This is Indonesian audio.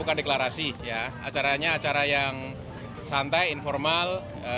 acara yang santai informal